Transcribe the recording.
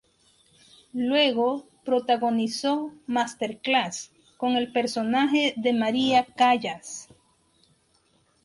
Luego protagonizó "Masterclass" con el personaje de Maria Callas.